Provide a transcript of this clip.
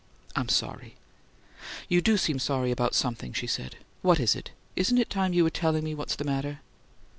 "I'm sorry." "You do seem sorry about something," she said. "What is it? Isn't it time you were telling me what's the matter?"